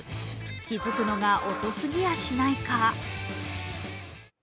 気づくのが遅すぎやしないか。